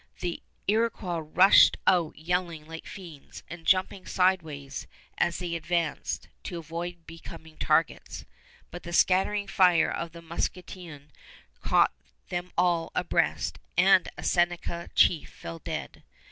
The Iroquois rushed out yelling like fiends, and jumping sideways as they advanced, to avoid becoming targets; but the scattering fire of the musketoon caught them full abreast and a Seneca chief fell dead.